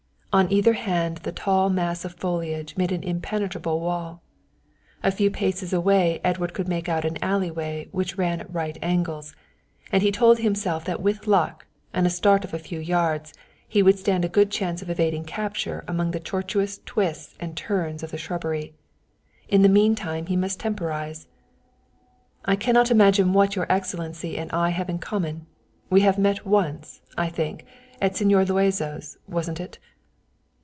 On either hand the tall mass of foliage made an impenetrable wall. A few paces away Edward could make out an alley way which ran at right angles, and he told himself that with luck and a start of a few yards he would stand a good chance of evading capture among the tortuous twists and turns of the shrubbery. In the mean time he must temporize. "I cannot imagine what your excellency and I can have in common. We have met once I think at Señor Luazo's, wasn't it?"